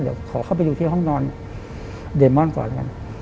เดี๋ยวขอเข้าไปดูที่ห้องนอนเดมอนก่อนแล้วกัน